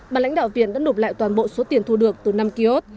bà lãnh đạo viện đã nộp lại toàn bộ số tiền thu được từ năm ký ốt